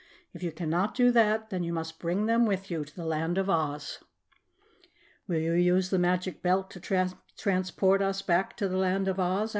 If you cannot do that, then you must bring them with you to the Land of Oz." "Will you use the Magic Belt to transport us back to the Land of Oz?"